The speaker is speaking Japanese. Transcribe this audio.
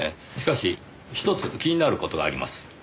しかしひとつ気になる事があります。